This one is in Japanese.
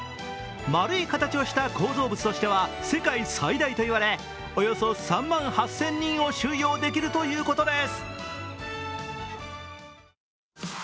丸い形をした構造物としては世界最大といわれ、およそ３万８０００人を収容できるということです。